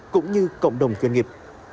cũng như cộng đồng doanh nghiệp